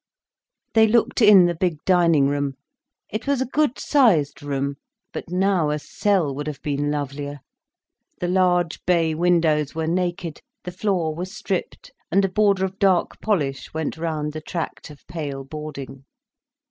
They looked in the big dining room. It was a good sized room, but now a cell would have been lovelier. The large bay windows were naked, the floor was stripped, and a border of dark polish went round the tract of pale boarding.